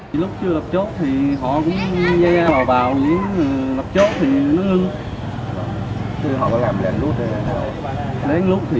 lén lút thì khi nào chốt có thì không có lén lút